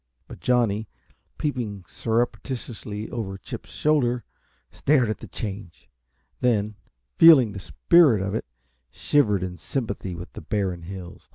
But Johnny, peeping surreptitiously over Chip's shoulder, stared at the change; then, feeling the spirit of it, shivered in sympathy with the barren hills.